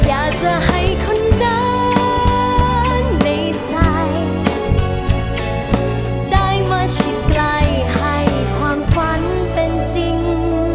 อยากจะให้คนนั้นในใจได้มาชิดไกลให้ความฝันเป็นจริง